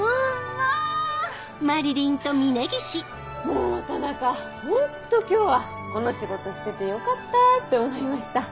もう田中ホント今日はこの仕事しててよかったって思いました。